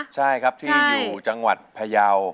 ใช่ครับที่อยู่จังหวัดพยาว